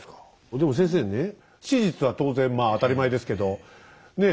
でも先生ねえ史実は当然まあ当たり前ですけどねえ？